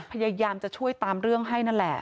พยายามจะช่วยตามเรื่องให้นั่นแหละ